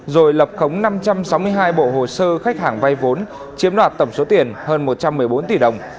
rồi lập khống năm trăm sáu mươi hai bộ hồ sơ khách hàng vay vốn chiếm đoạt tổng số tiền hơn một trăm một mươi bốn tỷ đồng